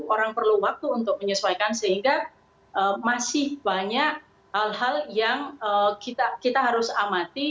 orang perlu waktu untuk menyesuaikan sehingga masih banyak hal hal yang kita harus amati